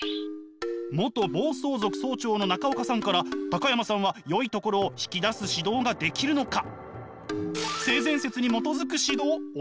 元暴走族総長の中岡さんから高山さんはよいところを引き出す指導ができるのか？